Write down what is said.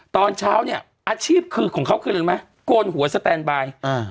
ตอนเช้าเนี่ยอาชีพคือของเขาคืออะไรรู้ไหมโกนหัวสแตนบายอ่า